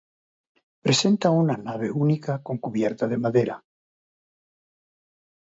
Presenta una nave única con cubierta de madera.